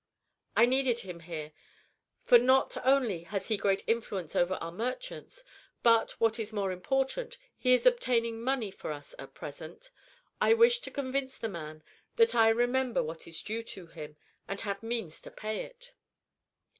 "I needed him here; for not only has he great influence over our merchants, but, what is more important, he is obtaining money for us at present. I wish to convince the man that I remember what is due to him, and have means to pay it."